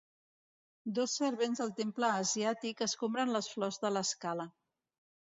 Dos servents del temple asiàtic escombren les flors de l'escala